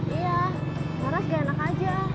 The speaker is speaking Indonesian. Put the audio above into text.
iya karena gak enak aja